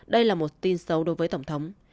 đây là một tin xấu đối với tổng thống